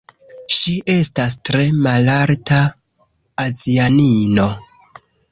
Ŝi estas tre malalta azianino